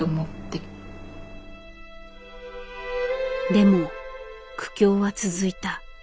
でも苦境は続いた。